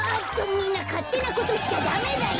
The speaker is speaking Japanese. みんなかってなことしちゃダメだよ！